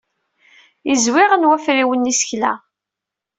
Izwiɣen wafriwen n yisekla.